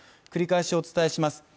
繰り返しお伝えします